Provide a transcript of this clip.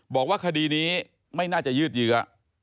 บอกว่าคดีนี้ไม่น่าจะยืดเยื้อ